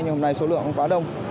nhưng hôm nay số lượng quá đông